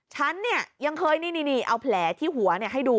ฉันเนี่ยยังเคยนี่เอาแผลที่หัวให้ดู